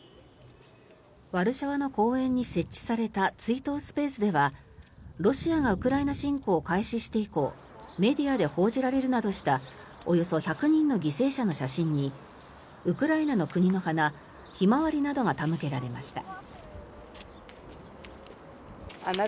ワルシャワの公園に設置された追悼スペースではロシアがウクライナ侵攻を開始して以降メディアで報じられるなどしたおよそ１００人の犠牲者の写真にウクライナの国の花ヒマワリなどが手向けられました。